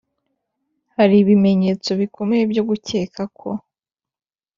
Hari ibimenyetso bikomeye byo gukeka ko